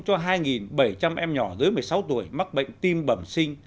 cho hai bảy trăm linh em nhỏ dưới một mươi sáu tuổi mắc bệnh tim bẩm sinh